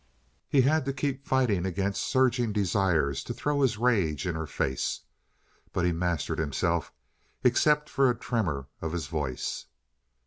He had to keep fighting against surging desires to throw his rage in her face. But he mastered himself, except for a tremor of his voice.